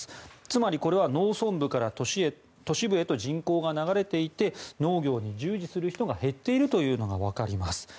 つまりこれは、農村部から都市部へと人口が流れていて農業に従事する人が減っているというのがわかります。